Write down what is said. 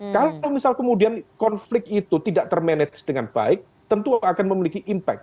kalau misal kemudian konflik itu tidak termanage dengan baik tentu akan memiliki impact